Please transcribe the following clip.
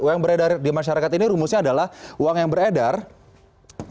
uang beredar di masyarakat ini rumusnya adalah uang yang beredar di masyarakat